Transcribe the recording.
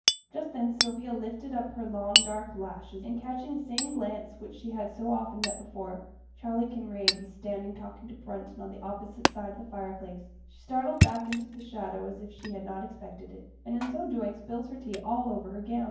Just then Sylvia lifted up her long, dark lashes, and catching the same glance which she had so often met before Charley Kinraid was standing talking to Brunton on the opposite side of the fire place she started back into the shadow as if she had not expected it, and in so doing spilt her tea all over her gown.